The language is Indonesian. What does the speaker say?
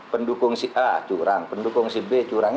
pendukung si a curang pendukung si b curang ini